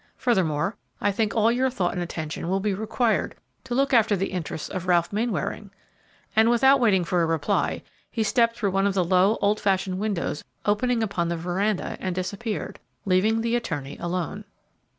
Furthermore, I think all your thought and attention will be required to look after the interests of Ralph Mainwaring," and without waiting for reply, he stepped through one of the low, old fashioned windows opening upon the veranda and disappeared, leaving the attorney alone.